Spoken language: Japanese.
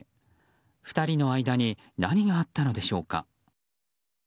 ２人の間に何があったのでしょうか。